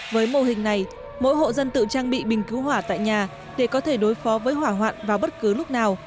với mô hình này mỗi hộ dân tự trang bị bình cứu hỏa tại nhà để có thể đối phó với hỏa hoạn vào bất cứ lúc nào